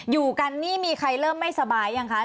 อยู่กันนี่มีใครเริ่มไม่สบายยังคะ